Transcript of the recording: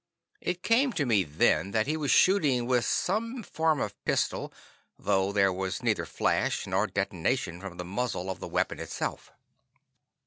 It came to me then that he was shooting with some form of pistol, though there was neither flash nor detonation from the muzzle of the weapon itself.